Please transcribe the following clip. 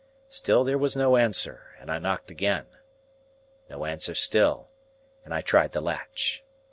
Still there was no answer, and I knocked again. No answer still, and I tried the latch.